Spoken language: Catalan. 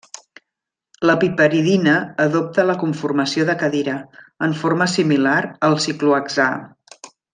La piperidina adopta la conformació de cadira, en forma similar al ciclohexà.